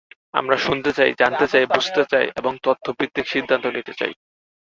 আমরা শুনতে চাই, জানতে চাই, বুঝতে চাই এবং তথ্যভিত্তিক সিদ্ধান্ত নিতে চাই।